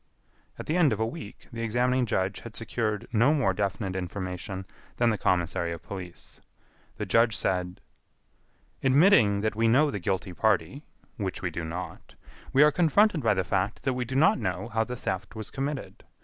At the end of a week, the examining judge had secured no more definite information than the commissary of police. The judge said: "Admitting that we know the guilty party, which we do not, we are confronted by the fact that we do not know how the theft was committed.